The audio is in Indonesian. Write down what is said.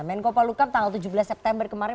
menko palukam tanggal tujuh belas september kemarin